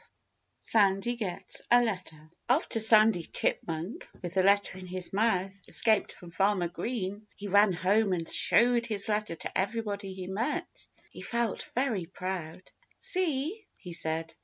XII SANDY GETS A LETTER After Sandy Chipmunk, with the letter in his mouth, escaped from Farmer Green, he ran home and showed his letter to everybody he met. He felt very proud. "See!" he said.